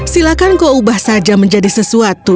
silahkan kau ubah saja menjadi sesuatu